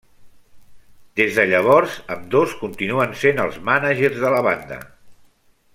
Des de llavors, ambdós continuen sent els mànagers de la banda.